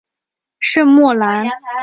圣莫兰。